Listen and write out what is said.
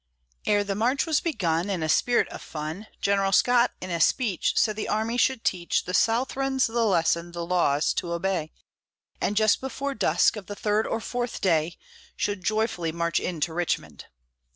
Ere the march was begun, In a spirit of fun, General Scott in a speech Said the army should teach The Southrons the lesson the laws to obey, And just before dusk of the third or fourth day, Should joyfully march into Richmond.